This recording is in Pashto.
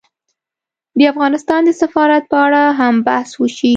د افغانستان د سفارت په اړه هم بحث وشي